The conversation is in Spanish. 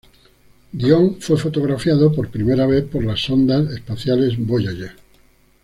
Dione fue fotografiado por primera vez por las sondas espaciales Voyager.